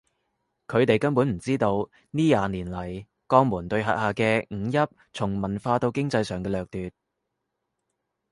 佢哋根本唔知道呢廿年嚟江門對轄下嘅五邑從文化到經濟上嘅掠奪